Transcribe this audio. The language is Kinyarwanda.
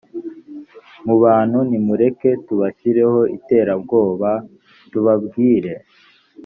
mu bantu nimureke tubashyireho iterabwoba tubabwire